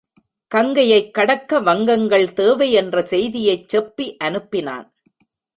கங்கையைக் கடக்க வங்கங்கள் தேவை என்ற செய்தியைச் செப்பி அனுப்பினான்.